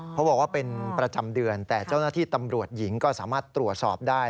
เขาบอกว่าเป็นประจำเดือนแต่เจ้าหน้าที่ตำรวจหญิงก็สามารถตรวจสอบได้